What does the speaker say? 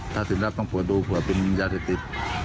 ถ้าสินทรัพย์ต้องปวดดูเผื่อเป็นญาติเศรษฐี